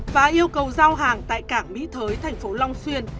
và yêu cầu giao hàng tại cảng mỹ thới thành phố long xuyên